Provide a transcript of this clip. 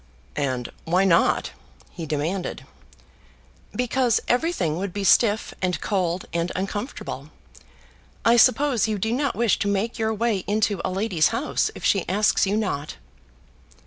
"And why not?" he demanded. "Because everything would be stiff, and cold, and uncomfortable. I suppose you do not wish to make your way into a lady's house if she asks you not."